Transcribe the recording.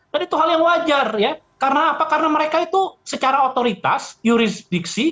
dan itu hal yang wajar ya karena apa karena mereka itu secara otoritas jurisdiksi